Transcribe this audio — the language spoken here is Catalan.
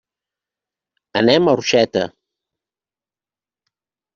Anem a Orxeta.